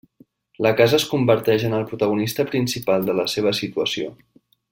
La casa es converteix en el protagonista principal per la seva situació.